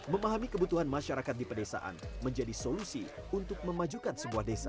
memahami kebutuhan masyarakat di pedesaan menjadi solusi untuk memajukan sebuah desa